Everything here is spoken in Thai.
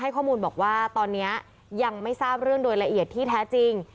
ข้อมูลบอกว่าตอนนี้ยังไม่ทราบเรื่องโดยละเอียดที่แท้จริง